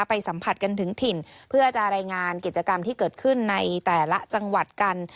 สัมผัสกันถึงถิ่นเพื่อจะรายงานกิจกรรมที่เกิดขึ้นในแต่ละจังหวัดกัน